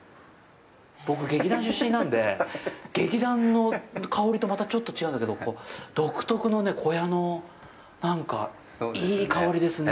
僕、劇団出身なので、劇団の香りとまたちょっと違うんだけど、独特のね、小屋の、なんか、いい香りですね。